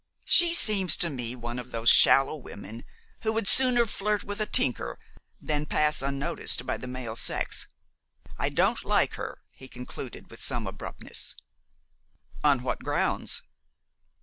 "She seems to me one of those shallow women who would sooner flirt with a tinker than pass unnoticed by the male sex. I don't like her," he concluded, with some abruptness. "On what grounds?"